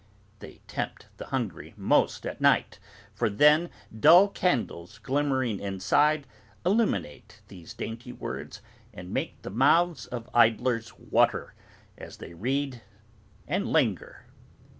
They tempt the hungry most at night, for then dull candles glimmering inside, illuminate these dainty words, and make the mouths of idlers water, as they read and linger.